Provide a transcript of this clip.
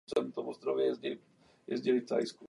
Na obou těchto turnajích byl nejlepším střelcem.